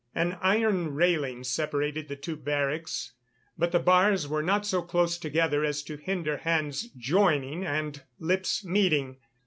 An iron railing separated the two barracks; but the bars were not so close together as to hinder hands joining and lips meeting.